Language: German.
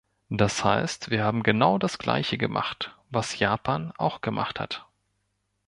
Das heißt, wir haben genau das gleiche gemacht, was Japan auch gemacht hat.